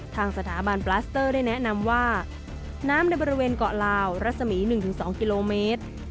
ทางสถาบันปลาสเตอร์ได้แนะนำว่าน้ำในบริเวณเกาะลาวรัศมี๑๒กิโลเมตร